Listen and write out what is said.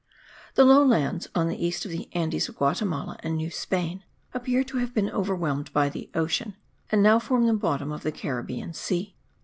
The low lands on the east of the Andes of Guatimala and New Spain appear to have been overwhelmed by the ocean and now form the bottom of the Caribbean Sea.